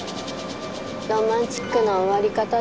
ロマンチックな終わり方でしょ？